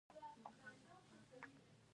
ګذشت کول څه ګټه لري؟